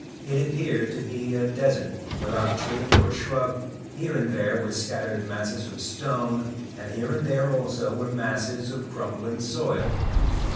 It appeared to be a desert, without tree or shrub, here and there were scattered masses of stone, and here and there also were masses of crumbling soil.